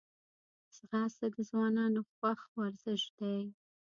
ځغاسته د ځوانانو خوښ ورزش دی